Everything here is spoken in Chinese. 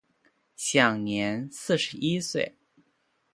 享年四十一岁。